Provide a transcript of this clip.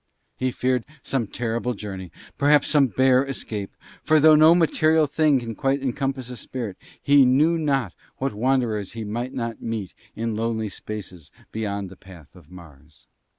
He feared some terrible journey, perhaps some bare escape; for though no material thing can quite encompass a spirit, he knew not what wanderers he might not meet in lonely spaces beyond the path of Mars.